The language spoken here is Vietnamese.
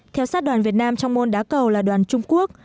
theo sát đoàn việt nam trong môn đá cầu là đoàn trung quốc